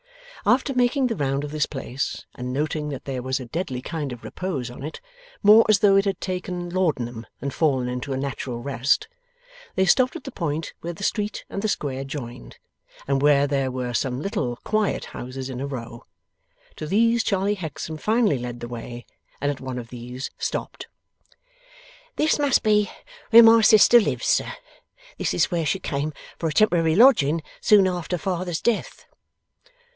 After making the round of this place, and noting that there was a deadly kind of repose on it, more as though it had taken laudanum than fallen into a natural rest, they stopped at the point where the street and the square joined, and where there were some little quiet houses in a row. To these Charley Hexam finally led the way, and at one of these stopped. 'This must be where my sister lives, sir. This is where she came for a temporary lodging, soon after father's death.